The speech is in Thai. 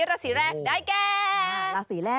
ราศีแรกได้แก